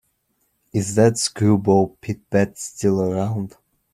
Is that screwball Pit-Pat still around?